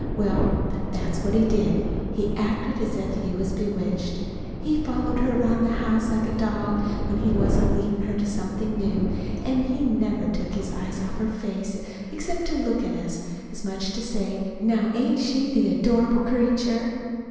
Well, that's what he did. He acted as if he was bewitched. He followed her around the house like a dog when he wasn't leadin' her to something new; an' he never took his eyes off her face except to look at us, as much as to say: 'Now ain't she the adorable creature?'"